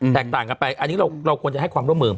แตกต่างกันไปอันนี้เราควรจะให้ความร่วมมือ